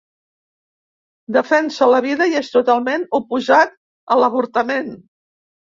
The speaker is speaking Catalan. Defensa la vida i és totalment oposat a l'avortament.